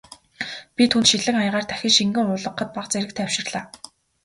Би түүнд шилэн аягаар дахин шингэн уулгахад бага зэрэг тайвширлаа.